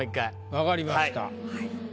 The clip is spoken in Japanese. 分かりました。